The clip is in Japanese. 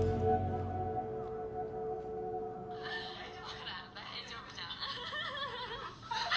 ほら大丈夫じゃん。